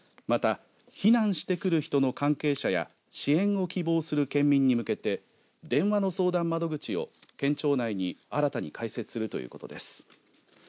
また、避難してくる人の関係者や支援を希望する県民に向けて電話の相談窓口を県庁内に新たに開設するということです。